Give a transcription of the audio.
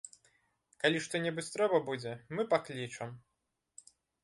Калі што-небудзь трэба будзе, мы паклічам!